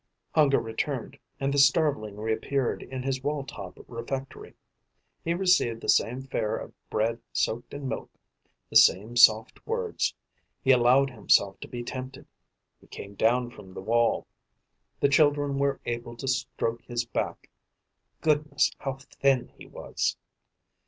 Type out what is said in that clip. Hunger returned; and the starveling reappeared in his wall top refectory. He received the same fare of bread soaked in milk, the same soft words. He allowed himself to be tempted. He came down from the wall. The children were able to stroke his back. Goodness, how thin he was!